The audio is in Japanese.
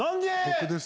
僕です。